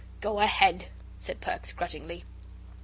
Go ahead!" said Perks, grudgingly.